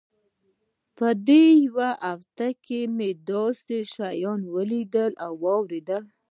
په دې يوه هفته کښې مې داسې شيان وليدل او واورېدل.